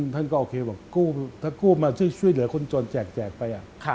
ท่านก็โอเคบอกถ้ากู้มาช่วยเหลือคนจนแจกไป